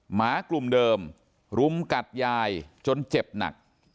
หมากลุ่มเดิมรุมกัดยายจนเจ็บหนัก